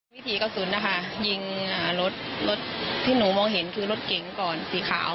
วิถีกระสุนนะคะยิงรถรถที่หนูมองเห็นคือรถเก๋งก่อนสีขาว